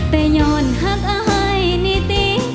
แต่ย้อนหักอายนิติ